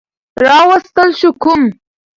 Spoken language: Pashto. راوستل شو کوم